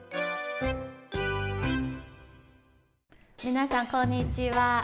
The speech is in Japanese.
皆さん、こんにちは。